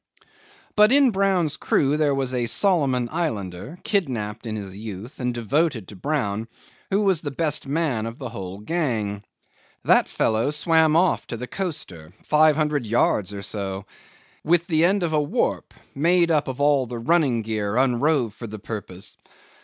'But in Brown's crew there was a Solomon Islander, kidnapped in his youth and devoted to Brown, who was the best man of the whole gang. That fellow swam off to the coaster five hundred yards or so with the end of a warp made up of all the running gear unrove for the purpose.